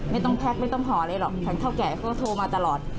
ไม่ต้องไม่ต้องขออะไรหรอกแข่งเท่าแกร่ก็โทรมาตลอด